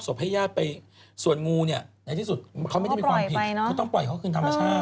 อ๋อสัตว์ป่าเขาควรอยู่ในป่าอยู่ในที่ของเขา